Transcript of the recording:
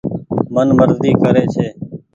من مرزي ڪري ڇي ۔